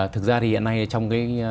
thực ra thì hiện nay trong